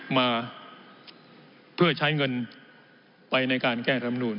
มาเพื่อใช้เงินไปในการแก้ธรรมนูล